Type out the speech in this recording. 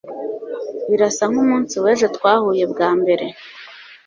birasa nkumunsi wejo twahuye bwa mbere